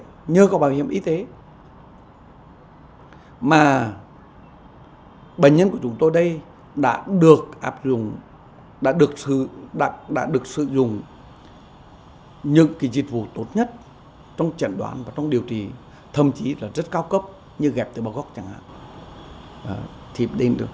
bệnh nhân có thẻ bảo hiểm y tế mà bệnh nhân của chúng tôi đây đã được áp dụng đã được sử dụng những dịch vụ tốt nhất trong trần đoán và trong điều trị thậm chí là rất cao cấp như ghẹp tử bào gốc chẳng hạn